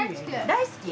大好き？